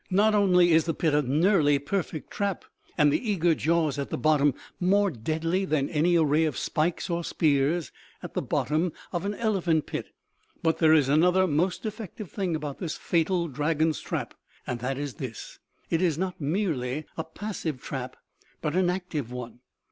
Not only is the pit a nearly perfect trap, and the eager jaws at the bottom more deadly than any array of spikes or spears at the bottom of an elephant pit, but there is another most effective thing about this fatal dragon's trap, and that is this: it is not merely a passive trap, but an active one.